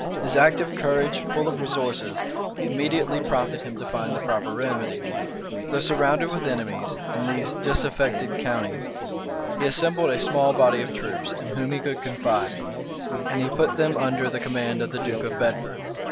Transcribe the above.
His active courage, full of resources, immediately prompted him to find the proper remedy. Though surrounded with enemies in these disaffected counties, he assembled a small body of troops, in whom he could confide; and he put them under the command of the duke of Bedford.